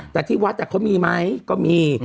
แต่ที่วัดเขามีไหมก็มี